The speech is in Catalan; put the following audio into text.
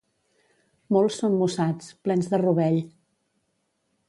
Molts són mossats, plens de rovell.